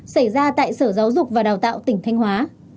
xảy ra tại sở giáo dục và đào tạo tỉnh thanh hóa